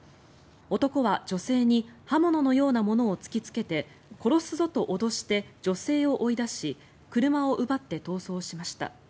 男は女性に刃物のようなものを突きつけて殺すぞと脅して、女性を追い出し車を奪って逃走しました。